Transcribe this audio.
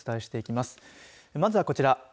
まずはこちら。